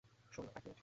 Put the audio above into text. শোনো, এক মিনিট।